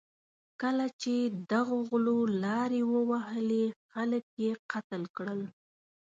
کله چې دغو غلو لارې ووهلې، خلک یې قتل کړل.